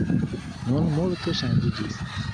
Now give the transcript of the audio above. Nun multo ŝanĝiĝis.